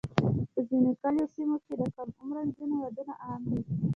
په ځینو کلیوالي سیمو کې د کم عمره نجونو ودونه عام دي.